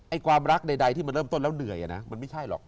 ความรักใดที่มันเริ่มต้นแล้วเหนื่อยมันไม่ใช่หรอก